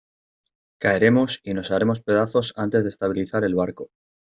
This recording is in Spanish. caeremos y nos haremos pedazos antes de estabilizar el barco.